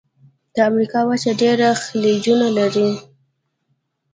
د امریکا وچه ډېر خلیجونه لري.